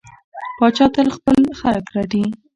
پاچا تل خپل خلک رټي.